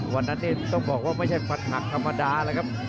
วันนั้นนี่ต้องบอกว่าไม่ใช่ฟันหักธรรมดาแล้วครับ